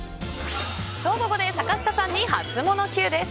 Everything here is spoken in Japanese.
と、ここで坂下さんにハツモノＱです。